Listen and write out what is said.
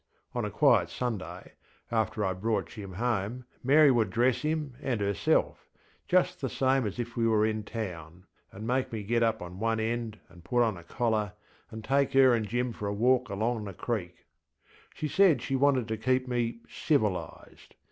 On a quiet Sunday, after IŌĆÖd brought Jim home, Mary would dress him and herselfŌĆöjust the same as if we were in townŌĆöand make me get up on one end and put on a collar and take her and Jim for a walk along the creek. She said she wanted to keep me civilised.